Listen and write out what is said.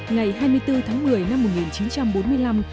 ngày hai mươi bốn tháng một mươi năm một nghìn chín trăm bốn mươi năm